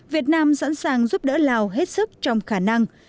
việt nam sẵn sàng giúp đỡ lào hết sức trong khả năng